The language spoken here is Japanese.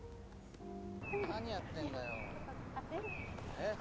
えっ？